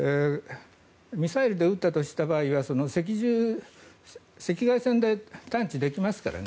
ミサイルで撃ったとした場合は赤外線で探知できますからね